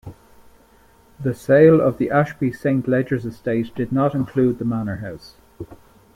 The sale of the Ashby Saint Ledgers estate did not include The Manor House.